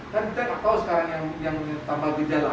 kan kita nggak tahu sekarang yang tambah gejala